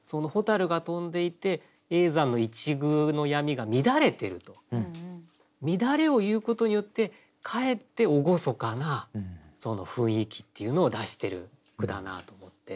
蛍が飛んでいて叡山の一隅の闇が乱れてると乱れを言うことによってかえって厳かな雰囲気っていうのを出している句だなと思って。